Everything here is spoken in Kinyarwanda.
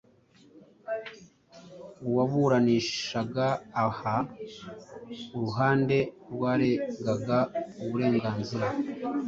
uwaburanishaga aha uruhande rwaregaga uburenganzira